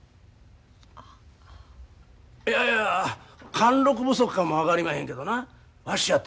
いやいや貫禄不足かも分かりまへんけどなわし